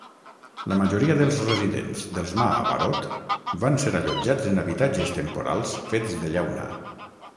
La majoria dels residents dels ma'abarot van ser allotjats en habitatges temporals fets de llauna.